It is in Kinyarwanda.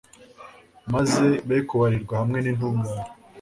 maze bekubarirwa hamwe n'intungane